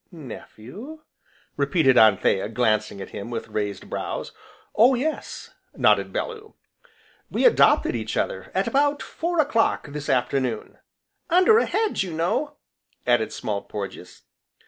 "Nephew?" repeated Anthea, glancing at him with raised brows. "Oh yes!" nodded Bellew, "we adopted each other at about four o'clock, this afternoon." "Under a hedge, you know!" added Small Porges.